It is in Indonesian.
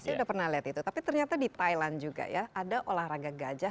saya sudah pernah lihat itu tapi ternyata di thailand juga ya ada olahraga gajah